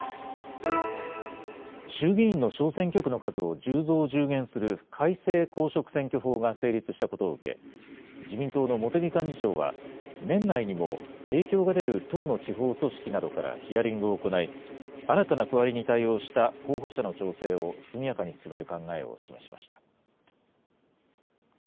衆議院の小選挙区の数を１０増１０減する改正公職選挙法が成立したことを受け、自民党の茂木幹事長は、年内にも影響が出る党の地方組織などからヒアリングを行い、新たな区割りに対応した候補者の調整を速やかに進める考えを示しました。